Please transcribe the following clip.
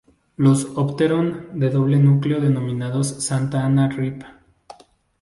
Los Opteron de doble núcleo denominados Santa Ana, rev.